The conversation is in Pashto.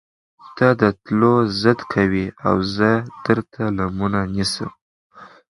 تۀ د تلو ضد کوې اؤ زۀ درته لمنه نيسم